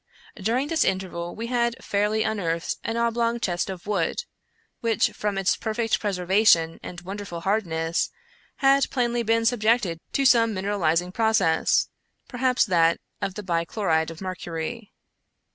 During this interval we had fairly unearthed an oblong chest of wood, which, from its perfect preservation and wonderful hardness, had plainly been subjected to some mineralizing process — per haps that of the bichloride of mercury.